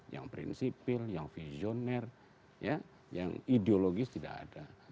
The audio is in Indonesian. yang prinsipil yang visioner yang ideologis tidak ada